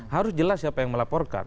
harus jelas siapa yang melaporkan